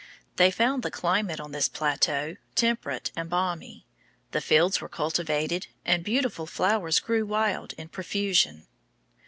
They found the climate on this plateau temperate and balmy. The fields were cultivated, and beautiful flowers grew wild in profusion.